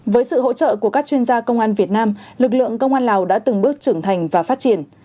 với sự hỗ trợ của các chuyên gia công an việt nam lực lượng công an lào đã từng bước trưởng thành và phát triển